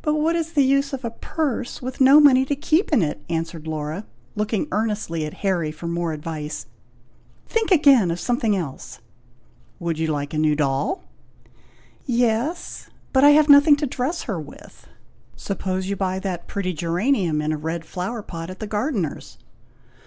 "But what is the use of a purse, with no money to keep in it!" answered Laura, looking earnestly at Harry for more advice. "Think again of something else." "Would you like a new doll?" "Yes; but I have nothing to dress her with!" "Suppose you buy that pretty geranium in a red flower pot at the gardener's!"